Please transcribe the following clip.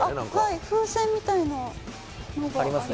はい風船みたいなのがあります